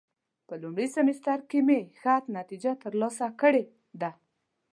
په لومړي سمستر کې مې ښه نتیجه ترلاسه کړې ده.